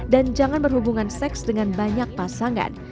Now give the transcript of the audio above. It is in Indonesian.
dan jangan berhubungan seks dengan banyak pasangan